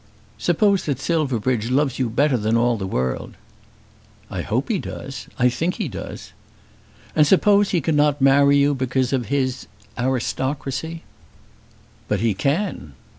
Suppose that Silverbridge loves you better than all the world." "I hope he does. I think he does." "And suppose he cannot marry you, because of his aristocracy?" "But he can."